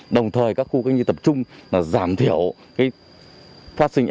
đồng thời các khu kinh nghiệm tập trung là giảm thiểu phát sinh